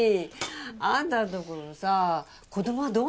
あんたのところはさ子供はどうなってんの？